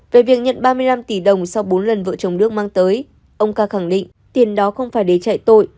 về việc nhận ba mươi năm tỷ đồng sau bốn lần vợ chồng đức mang tới ông ca khẳng định tiền đó không phải để chạy tội